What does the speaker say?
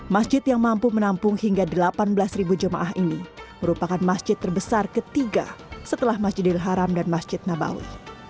masjid yang mampu menampung hingga delapan belas jemaah ini merupakan masjid terbesar ketiga setelah masjidil haram dan masjid nabawi